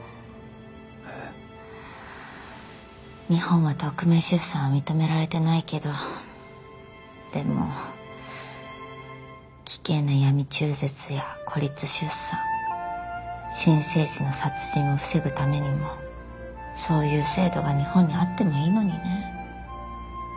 えっ？日本は匿名出産は認められてないけどでも危険な闇中絶や孤立出産新生児の殺人を防ぐためにもそういう制度が日本にあってもいいのにね。